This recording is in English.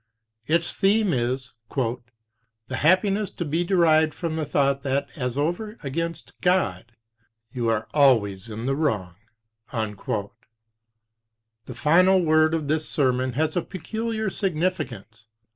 Its theme is "the happiness to be derived from the thought that as over against God you are always in the wrong." The final word of this sermon has a peculiar significance.